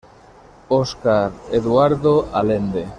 Oscar Eduardo Alende.